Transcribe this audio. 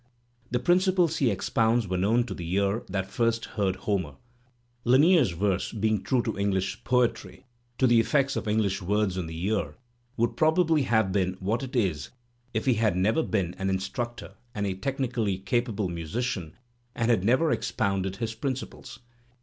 The principles he expounds were known to the ear that first heard Homer. Lanier's verse, being true to Eng lish poetry, to the effects of English words on the ear, would probably have been what it is if he had never been an in structor and a technically capable musician and had never expounded his principles.